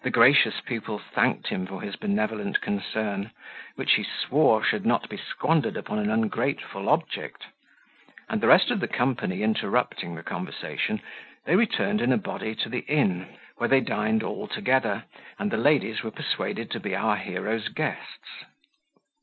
The gracious pupil thanked him for his benevolent concern, which he swore should not be squandered upon an ungrateful object; and the rest of the company interrupting the conversation, they returned in a body to the inn, where they dined all together, and the ladies were persuaded to be our hero's guests.